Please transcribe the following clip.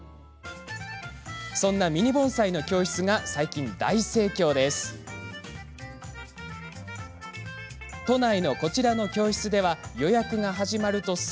そんなミニ盆栽の教室が最近、大盛況なんです。